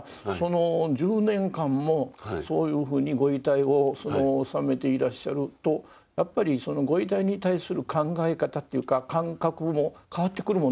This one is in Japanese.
１０年間もそういうふうにご遺体を納めていらっしゃるとやっぱりご遺体に対する考え方というか感覚も変わってくるもんですか。